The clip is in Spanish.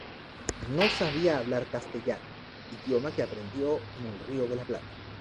No sabía hablar castellano, idioma que aprendió en el Río de la Plata.